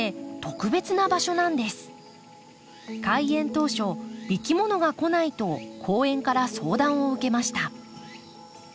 開園当初「いきものが来ない」と公園から相談を受けました。